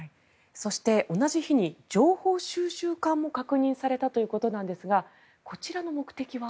そして、同じ日に情報収集艦も確認されたということなんですがこちらの目的は？